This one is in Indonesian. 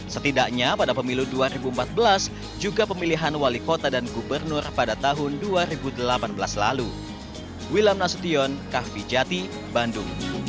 setidaknya pada pemilu dua ribu empat belas juga pemilihan wali kota dan gubernur pada tahun dua ribu delapan belas lalu